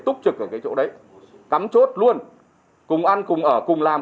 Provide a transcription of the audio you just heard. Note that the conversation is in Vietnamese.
túc trực ở cái chỗ đấy cắm chốt luôn cùng ăn cùng ở cùng làm